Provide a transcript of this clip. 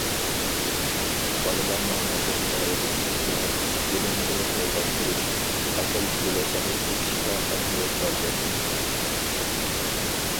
بالىلارنىڭ نەزەر دائىرىسىنى كېڭەيتىش، بىلىمىنى موللاشتۇرۇش، ئەقىل بۇلىقىنى ئېچىشقا ئەھمىيەت بەردۇق.